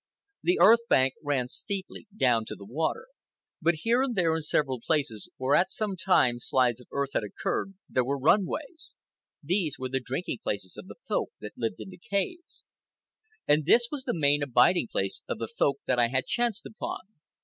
The earth bank ran steeply down to the water, but here and there, in several places, where at some time slides of earth had occurred, there were run ways. These were the drinking places of the Folk that lived in the caves. And this was the main abiding place of the Folk that I had chanced upon.